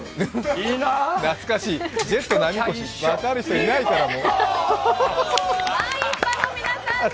いいな懐かしい、ジェット浪越、分かる人いないと思う。